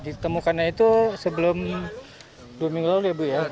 ditemukannya itu sebelum dua minggu lalu ya bu ya